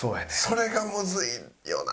それがむずいよな。